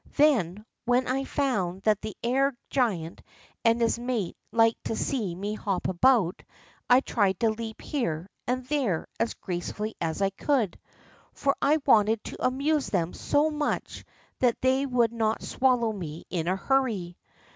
Then, when I found that the air giant and his mate liked to see me hop about, I tried to leap here and there as gracefully as I could, for I wanted to amuse them so much that they would not swallow me in a hurry.